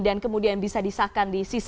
dan kemudian bisa disahkan di sisa